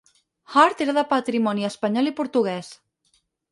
Hart era de patrimoni espanyol i portuguès.